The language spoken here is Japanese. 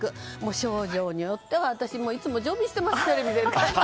症状によっては私いつも常備しています。